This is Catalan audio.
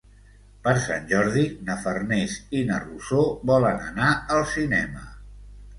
Per Sant Jordi na Farners i na Rosó volen anar al cinema.